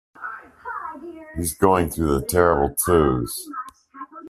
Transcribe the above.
He's going through the terrible two's!.